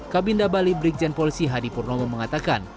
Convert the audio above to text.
kabinda bali brigjen polisi hadi purnomo mengatakan